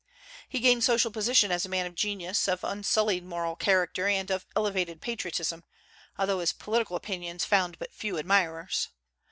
He gained social position as a man of genius, of unsullied moral character and of elevated patriotism, although his political opinions found but few admirers.